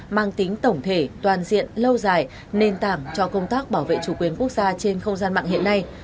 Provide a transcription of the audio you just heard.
mang tính tổng thể toàn diện lâu dài nền tảng cho công tác bảo vệ chủ quyền quốc gia trên không gian mạng hiện nay